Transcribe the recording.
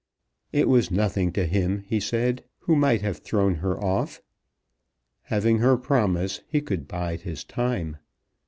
It was nothing to him, he said, who might have thrown her off. Having her promise, he could bide his time.